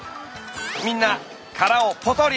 みんな殻をポトリ。